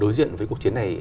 đối diện với cuộc chiến này